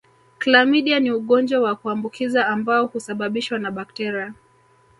Klamidia ni ugonjwa wa kuambukiza ambao husababishwa na bakteria